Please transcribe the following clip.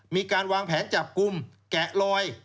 มีการวางแผนจับกลุ่มแกะลอย